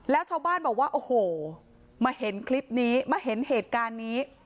แล้วชาวบ้านบอกว่าโอ้โหมาเห็นคลิปนี้มาเห็นเหตุการณ์นี้